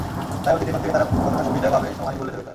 তাই অতীত রেকর্ড থেকে তারা কতটা সুবিধা পাবে সময়ই বলে দেবে তা।